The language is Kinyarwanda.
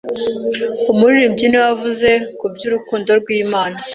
Umuririmbyi niwe wavuze kuby’Urukundo rw’Imana